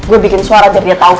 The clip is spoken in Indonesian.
gue bikin suara biar dia tahu